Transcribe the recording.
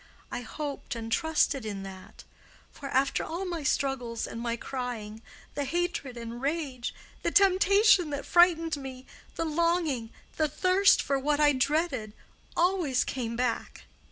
I hoped and trusted in that. For after all my struggles and my crying, the hatred and rage, the temptation that frightened me, the longing, the thirst for what I dreaded, always came back.